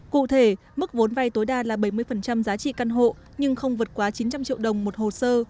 cụ thể mức vốn vay tối đa là bảy mươi giá trị căn hộ nhưng không vượt quá chín trăm linh triệu đồng một hồ sơ